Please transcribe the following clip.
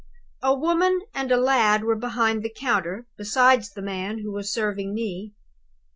"A woman and a lad were behind the counter, besides the man who was serving me.